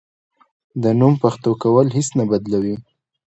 د نوم پښتو کول هیڅ نه بدلوي.